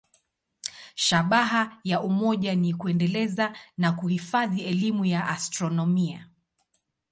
Shabaha ya umoja ni kuendeleza na kuhifadhi elimu ya astronomia.